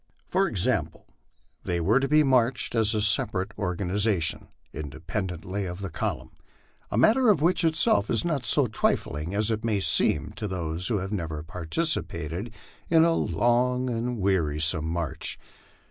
For ex ample, they were to be marched as a separate organization, independently of the column, a matter which in itself is not so trifling as it may seem to those who have never participated in a long and wearisome march.